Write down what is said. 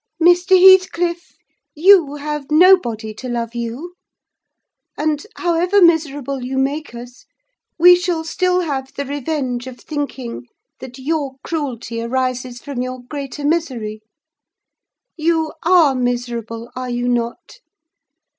Mr. Heathcliff, you have nobody to love you; and, however miserable you make us, we shall still have the revenge of thinking that your cruelty arises from your greater misery. You are miserable, are you not?